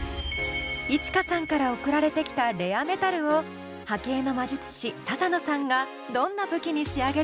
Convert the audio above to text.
Ｉｃｈｉｋａさんから送られてきたレアメタルを波形の魔術師ササノさんがどんな武器に仕上げるのか？